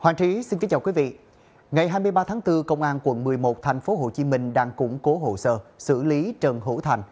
ngày hai mươi ba tháng bốn công an quận một mươi một thành phố hồ chí minh đang củng cố hồ sơ xử lý trần hữu thành